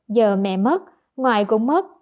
giờ mẹ mất ngoại cũng mất